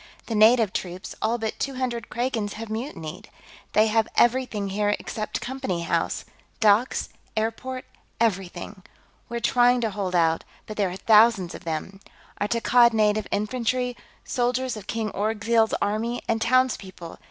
"The native troops, all but two hundred Kragans, have mutinied. They have everything here except Company House docks, airport, everything. We're trying to hold out, but there are thousands of them. Our Takkad Native Infantry, soldiers of King Orgzild's army, and townspeople.